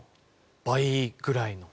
倍ぐらいの？